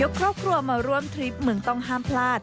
ครอบครัวมาร่วมทริปมึงต้องห้ามพลาด